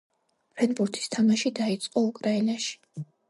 ფრენბურთის თამაში დაიწყო, უკრაინაში.